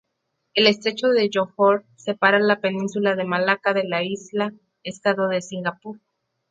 El estrecho de Johor separa la península de Malaca de la isla-estado de Singapur.